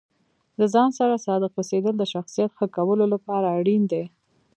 د ځان سره صادق اوسیدل د شخصیت ښه کولو لپاره اړین دي.